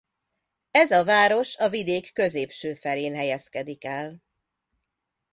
Ez a város a vidék középső felén helyezkedik el.